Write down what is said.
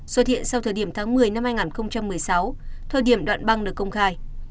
xuất hiện sau thời điểm tháng một mươi năm hai nghìn một mươi sáu thời điểm đoạn băng được công khai